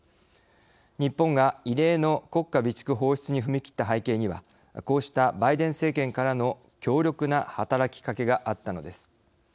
日本が異例の国家備蓄放出に踏み切った背景にはこうしたバイデン政権からの強力な働きかけがあったのです。